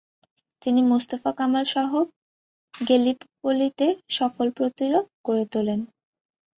তিনি মোস্তফা কামালসহ গেলিপলিতে সফল প্রতিরোধ গড়ে তোলেন।